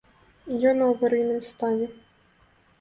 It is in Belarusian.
Ён у аварыйным стане.